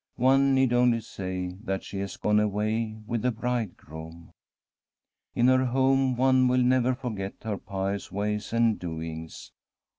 One need only say that she has gone away with the Bride groom. In her home one will never forget her pious ways and doings.